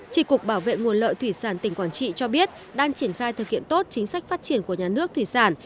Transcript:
trị cục bảo vệ nguồn lợi thủy sản tỉnh quảng trị cho biết đang triển khai thực hiện tốt chính sách phát triển của nhà nước thủy sản